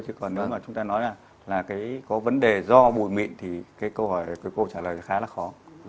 chứ còn nếu mà chúng ta nói là có vấn đề do bụi mịn thì câu hỏi của cô trả lời khá là khó